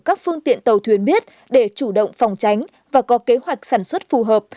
các phương tiện tàu thuyền biết để chủ động phòng tránh và có kế hoạch sản xuất phù hợp